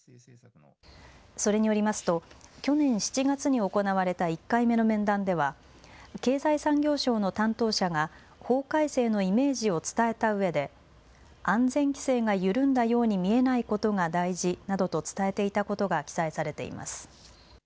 それによりますと去年７月に行われた１回目の面談では経済産業省の担当者が法改正のイメージを伝えたうえで安全規制が緩んだように見えないことが大事などと伝えていたことが記載されています。